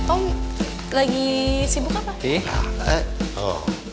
om lagi sibuk apa